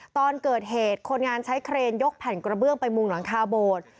ตอนเกิดเหตุคนงานใช้เครนยกแผ่นกระเบื้องไปมุงหลังคาโบสถ์